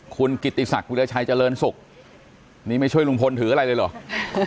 คุณกิติศักดิราชัยเจริญศุกร์นี่ไม่ช่วยลุงพลถืออะไรเลยเหรอ